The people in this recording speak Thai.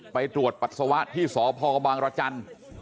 ไปตรวจปัสสาวะที่สพบรจร